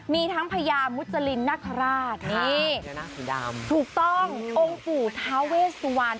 มีทั้งพระยามุจรินทร์นักราชนี่ถูกต้ององค์ปู่ทาเวสวัน